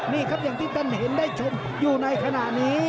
นี่ครับอย่างที่ท่านเห็นได้ชมอยู่ในขณะนี้